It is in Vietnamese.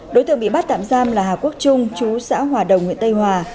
đối tượng bị bắt tạm giam là hà quốc trung chú xã hòa đồng huyện tây hòa